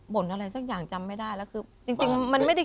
อะไรสักอย่างจำไม่ได้แล้วคือจริงมันไม่ได้